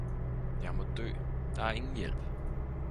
Jeg må dø, der er ingen hjælp!